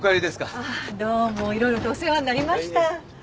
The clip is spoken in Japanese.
あっどうも色々とお世話になりました。